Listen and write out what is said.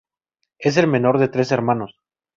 Es el menor de tres hermanos.